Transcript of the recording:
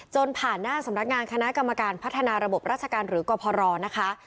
ผ่านหน้าสำนักงานคณะกรรมการพัฒนาระบบราชการหรือกรพรนะคะ